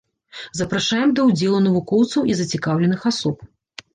Запрашаем да ўдзелу навукоўцаў і зацікаўленых асоб.